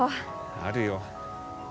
あるよ。